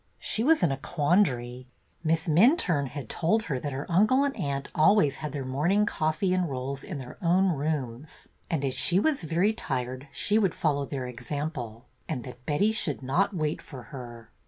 She was in a quandary. Miss Minturne had told her that her uncle and aunt always had their morning coffee and rolls in their own rooms, and as she was very tired she would follow their example, and that Betty should not wait for her.